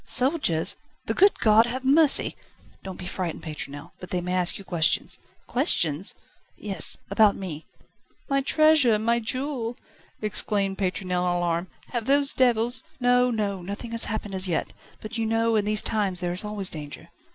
"Soldiers! The good God have mercy!" "Don't be frightened, Pétronelle. But they may ask you questions." "Questions?" "Yes; about me." "My treasure, my jewel," exclaimed Pétronelle in alarm, "have those devils ...?" "No, no; nothing has happened as yet, but, you know, in these times there is always danger."